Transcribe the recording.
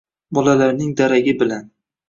Bolalarning daragi bilan